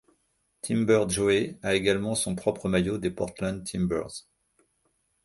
Timber Joey a également son propre maillot des Portland Timbers.